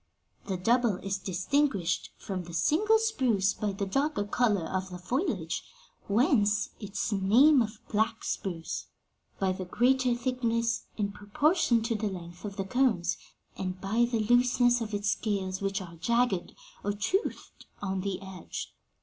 The double is distinguished from the single spruce by the darker color of the foliage whence its name of black spruce by the greater thickness, in proportion to the length, of the cones, and by the looseness of its scales, which are jagged, or toothed, on the edge.'